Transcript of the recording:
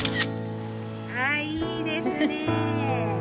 あいいですね。